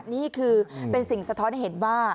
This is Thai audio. นี่คือเป็นสิ่งสะท้อนให้เห็นว่า